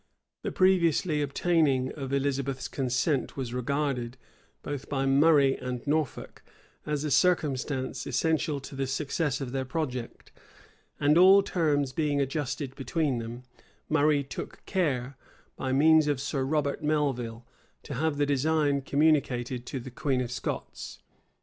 The previously obtaining of Elizabeth's consent was regarded, both by Murray and Norfolk, as a circumstance essential to the success of their project; and all terms being adjusted between them, Murray took care, by means of Sir Robert Melvil, to have the design communicated to the queen of Scots.